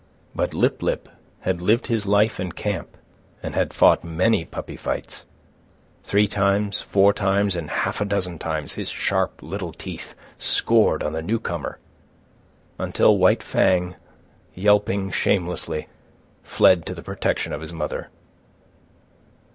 But Lip lip had lived his life in camp and had fought many puppy fights. Three times, four times, and half a dozen times, his sharp little teeth scored on the newcomer, until White Fang, yelping shamelessly, fled to the protection of his mother.